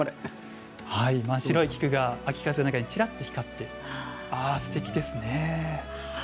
白い菊が秋風の中にちらっと光ってすてきですね。